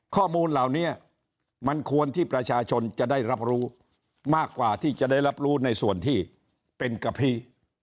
ข้อมูลเหล่านี้มันควรที่ประชาชนจะได้รับรู้มากกว่าที่จะได้รับรู้ในส่วนที่เป็นกะพี